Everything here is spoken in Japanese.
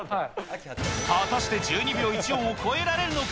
果たして１２秒１４を超えられるのか。